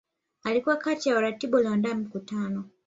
Alikuwa kati ya waratibu walioandaa mkutano